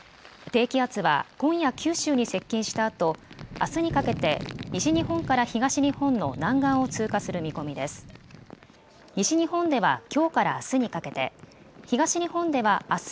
低気圧は今夜、九州に接近したあと、あすにかけて西日本から東日本の南岸を通過する見込みです。